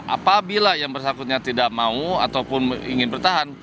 apabila yang bersangkutan tidak mau ataupun ingin bertahan